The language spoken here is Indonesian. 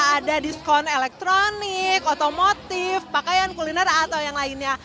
ada diskon elektronik otomotif pakaian kuliner atau yang lainnya